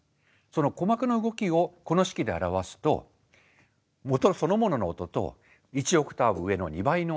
その鼓膜の動きをこの式で表すと音そのものの音と１オクターブ上の２倍の音。